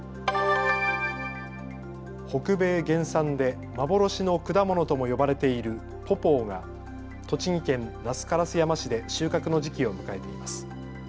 北米原産で幻の果物とも呼ばれているポポーが栃木県那須烏山市で収穫の時期を迎えています。